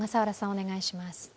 お願いします。